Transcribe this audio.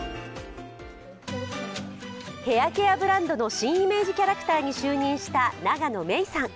ヘアケアブランドの新イメージキャラクターに就任した永野芽郁さん。